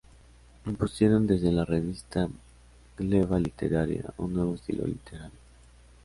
Impusieron desde la revista "Gleba Literaria" un nuevo estilo literario.